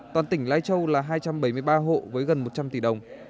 toàn tỉnh lai châu là hai trăm bảy mươi ba hộ với gần một trăm linh tỷ đồng